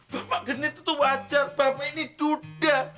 bapak genit itu wajar bapak ini duda